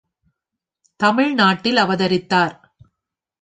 தமிழ் நாட்டில் அவதரித்தார்.